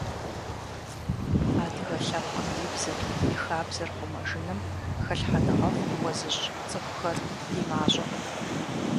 Адыгэ лъэпкъым и бзэр, и хабзэр хъумэжыным хэлъхьэныгъэфӀ хуэзыщӀ цӀыхухэр ди мащӀэкъым.